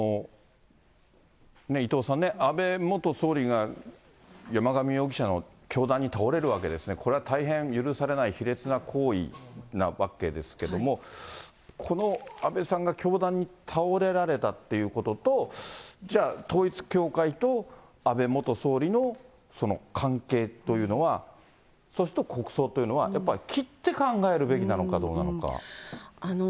伊藤さんね、安倍元総理が山上容疑者の凶弾に倒れるわけですね、これは大変許されない卑劣な行為なわけですけれども、この安倍さんが凶弾に倒れられたっていうことと、じゃあ、統一教会と安倍元総理のその関係というのは、それと国葬というのは、やっぱり切って考えるべきなのかどうなのか。